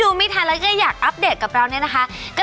หนูจะแบ่งให้พี่หมอโจ้